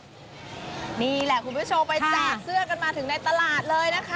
นี่แหละคุณผู้ชมไปแจกเสื้อกันมาถึงในตลาดเลยนะคะ